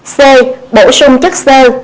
c bổ sung chất xơ